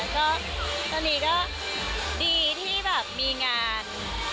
ก็ตอนนี้ก็ดีที่แบบมีงาน